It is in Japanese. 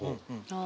あ。